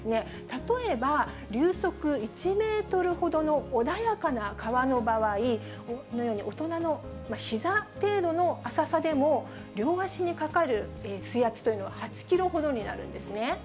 例えば流速１メートルほどの穏やかな川の場合、このように大人のひざ程度の浅さでも、両足にかかる水圧というのは８キロほどになるんですね。